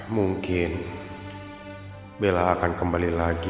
mungkin bella akan kembali lagi keperlukannya afif